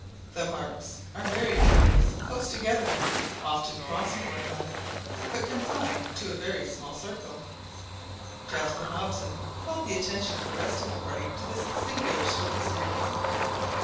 The marks were very numerous, close together, often crossing one another, but confined to a very small circle. Jaspar Hobson called the attention of the rest of the party to this singular circumstance.